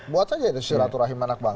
buat aja itu silaturahim anak bangsa